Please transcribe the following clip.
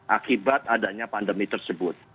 akibat adanya pandemi tersebut